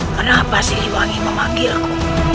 kenapa si liwangi memanggilku